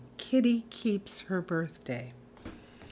Kitty Keeps Her Birthday.